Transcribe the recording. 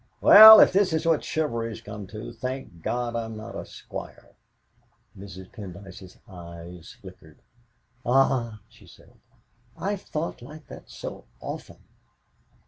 "Well, if this is what chivalry has come to, thank God I'm not a squire!" Mrs. Pendyce's eyes flickered. "Ah!" she said, "I've thought like that so often."